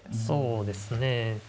そうですね。